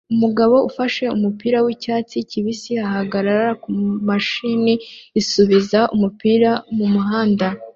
Umugabo ufashe umupira wicyatsi kibisi ahagarara kumashini isubiza umupira mumuhanda